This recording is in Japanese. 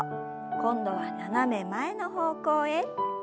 今度は斜め前の方向へ。